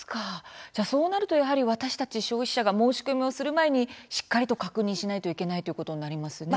そうなると、私たち消費者が申し込みをする前にしっかりと確認しないといけないということになりますね。